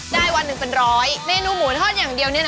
ได้วันหนึ่งเป็น๑๐๐บาทเมนูหมูทอดอย่างเดียวเนี่ยคะ